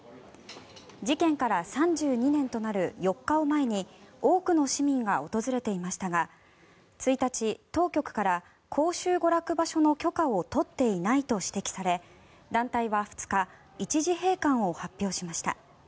事件から３２年となる４日を前に多くの市民が訪れていましたが１日、当局から公衆娯楽場所の許可を取っていないと指摘され団体は２日一時閉館を発表しました。